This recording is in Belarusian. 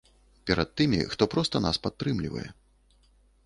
Перад тымі, хто проста нас падтрымлівае.